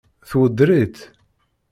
Tweddeṛ-itt?